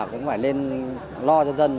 cũng phải lên lo cho dân